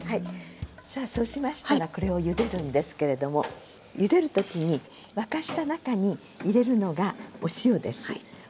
さあそうしましたらこれをゆでるんですけれどもゆでる時に沸かした中に入れるのがお塩です。